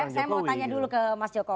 saya mau tanya dulu ke mas joko